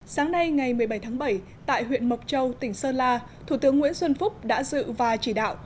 sáng nay ngày một mươi bảy tháng bảy tại huyện mộc châu tỉnh sơn la thủ tướng nguyễn xuân phúc đã dự và chỉ đạo